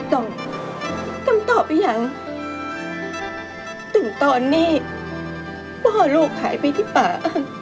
กรรมต่อกรรมต่อไปยังถึงตอนนี้พ่อลูกหายไปที่ป่า